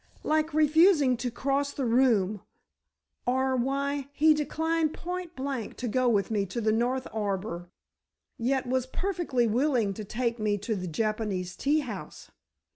"Like refusing to cross the room—or—why, he declined point blank to go with me to the north arbor, yet was perfectly willing to take me to the Japanese tea house!"